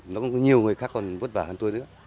nó cũng có nhiều người khác còn vất vả hơn tôi nữa